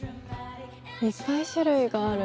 いっぱい種類がある